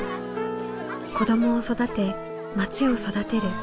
子どもを育てまちを育てる。